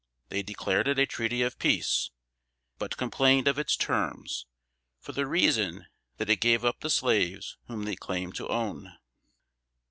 They declared it a treaty of peace; but complained of its terms, for the reason that it gave up the slaves whom they claimed to own.